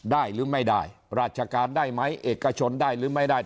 หรือไม่ได้ราชการได้ไหมเอกชนได้หรือไม่ได้